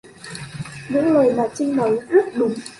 Những lời mà Trinh nói rất đúng